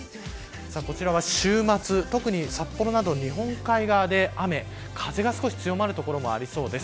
こちらは週末特に札幌など日本海側で雨風が少し強まる所もありそうです。